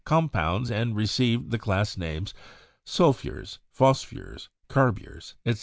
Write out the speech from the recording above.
compounds, and received the class names 'sulfures/ 'phosphures,' 'carbures/ etc.